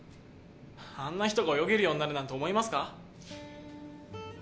あんな人が泳げるようになるなんて思いますか？